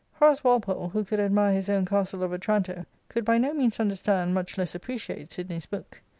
Horace Walpole, who could admire his own " Castle of Otranto," could by no means understand, much less appreciate, Sidney's book.